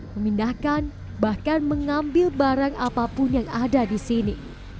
memindahkan bahkan mengambil barang apapun yang ada di sini